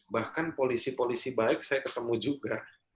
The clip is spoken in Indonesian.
bahkan polisi polisi baik saya ketemu juga